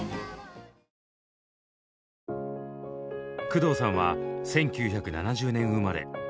工藤さんは１９７０年生まれ。